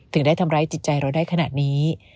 ถึงได้ทำร้ายจิตใจเราได้ขนาดนี้